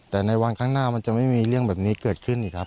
แต่ในวันข้างหน้ามันจะไม่มีเรื่องแบบนี้เกิดขึ้นอีกครับ